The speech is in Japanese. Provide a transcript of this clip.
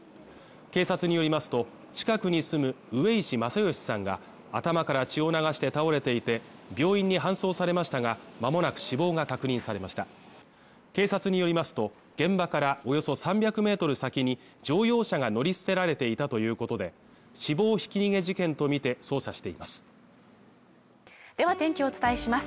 警察によりますと近くに住む上石正義さんが頭から血を流して倒れていて病院に搬送されましたがまもなく死亡が確認されました警察によりますと現場からおよそ３００ｍ先に乗用車が乗り捨てられていたということで死亡ひき逃げ事件とみて捜査していますでは天気をお伝えします